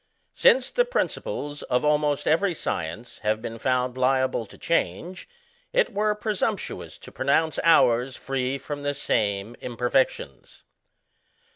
Since the principles of almost every science have been found liable to change, it were presump tuous to pronounce ours free from the same imper fections.